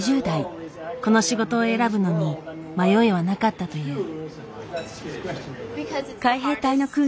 この仕事を選ぶのに迷いはなかったという。